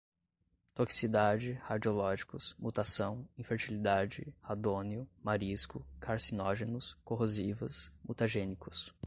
toxicidade, radiológicos, mutação, infertilidade, radônio, marisco, carcinógenos, corrosivas, mutagênicos